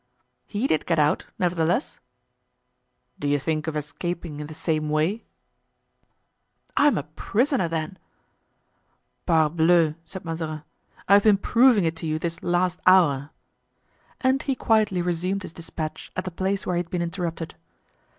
"He did get out, nevertheless." "Do you think of escaping in the same way?" "I am a prisoner, then?" "Parbleu!" said Mazarin, "I have been proving it to you this last hour." And he quietly resumed his dispatch at the place where he had been interrupted.